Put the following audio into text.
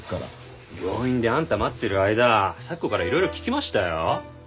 病院であんた待ってる間咲子からいろいろ聞きましたよ。